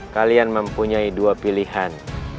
kalian mempunyai dua pilihan